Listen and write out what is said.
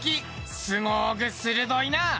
すごく鋭いな。